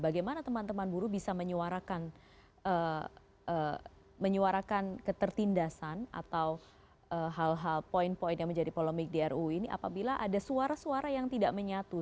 bagaimana teman teman buruh bisa menyuarakan ketertindasan atau hal hal poin poin yang menjadi polemik di ruu ini apabila ada suara suara yang tidak menyatu